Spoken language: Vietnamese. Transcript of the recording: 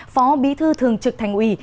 phó bí thư thường trực thành ủy